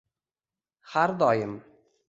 Har doim